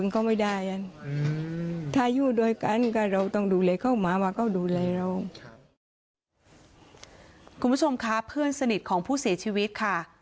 คุณผู้ชมคะเพื่อนสนิทของผู้เสียชีวิตค่ะ